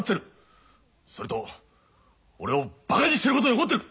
それと俺をバカにしてることに怒ってる！